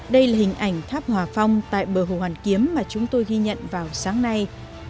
đây là hình ảnh tháp hòa phong tại bờ hồ hoàn kiếm mà chúng tôi ghi nhận vào sáng nay